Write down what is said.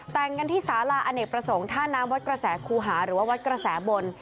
แต่งกันที่สาราอเนกประสงค์ท่าน้ำวัดกระแสคูหาหรือว่าวัดกระแสบน